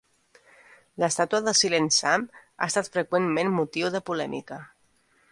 La estàtua de Silent Sam ha estat freqüentment motiu de polèmica.